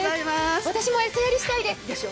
私も餌やり、したいです。